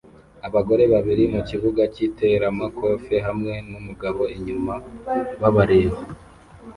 Abagore babiri mukibuga cyiteramakofe hamwe numugabo inyuma babareba